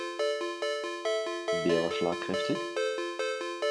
Wer war schlagkräftig?